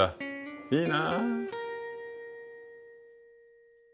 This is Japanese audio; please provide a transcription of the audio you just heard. いいな。